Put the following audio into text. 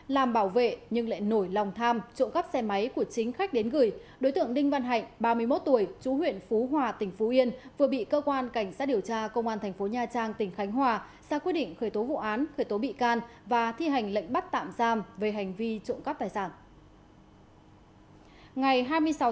làm bảo vệ nhưng lại nổi lòng tham trộm cắp xe máy của chính khách đến gửi đối tượng đinh văn hạnh ba mươi một tuổi chú huyện phú hòa tỉnh phú yên vừa bị cơ quan cảnh sát điều tra công an thành phố nha trang tỉnh khánh hòa ra quyết định khởi tố vụ án khởi tố bị can và thi hành lệnh bắt tạm giam về hành vi trộm cắp tài sản